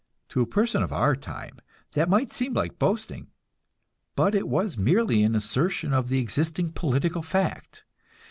To a person of our time that might seem like boasting, but it was merely an assertion of the existing political fact.